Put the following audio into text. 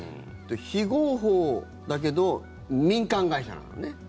非合法だけど民間会社なのね。